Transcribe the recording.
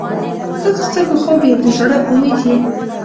• ته د سترګو خوب یې، د زړه امید یې.